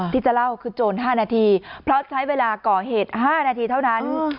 ที่จะเล่าคือโจร๕นาทีเพราะใช้เวลาก่อเหตุ๕นาทีเท่านั้น